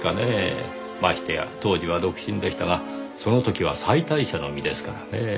ましてや当時は独身でしたがその時は妻帯者の身ですからねぇ。